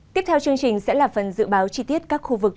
tiếp theo chương trình sẽ là phần dự báo chi tiết các khu vực